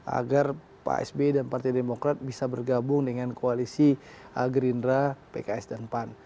agar pak sby dan partai demokrat bisa bergabung dengan koalisi gerindra pks dan pan